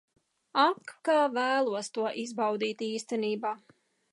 Ak, kā vēlos to izbaudīt īstenībā.